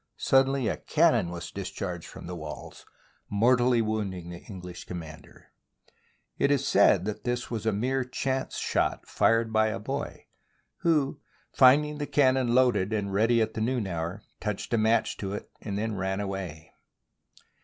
suddenly a cannon was discharged from the walls, mortally wounding the English commander. It is said that this was a mere chance shot fired by a boy, who, finding the cannon loaded and ready at the noon hour, touched a match to it and then ran away.